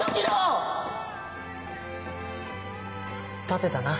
立てたな。